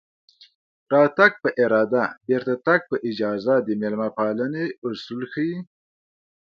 راتګ په اراده بېرته تګ په اجازه د مېلمه پالنې اصول ښيي